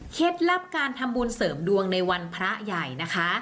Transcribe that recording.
ลับการทำบุญเสริมดวงในวันพระใหญ่นะคะ